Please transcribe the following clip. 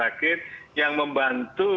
jadi itu adalah yang membantu